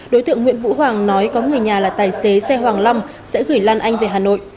đối tượng nguyễn vũ hoàng nói có người nhà là tài xế xe hoàng long sẽ gửi lan anh về hà nội